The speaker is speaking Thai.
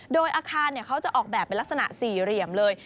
โดยอาคารเขาจะออกแบบเป็นลักษณะสี่เหลี่ยมเลย